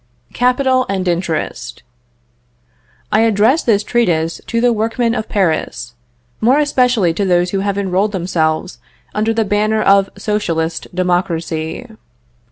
CAPITAL AND INTEREST. I address this treatise to the workmen of Paris, more especially to those who have enrolled themselves under the banner of Socialist democracy.